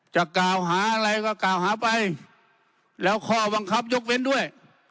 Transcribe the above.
จะกล่าวหาอะไรก็กล่าวหาไปแล้วข้อบังคับยกเว้นด้วย